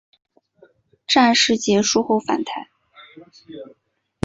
战事结束后返台。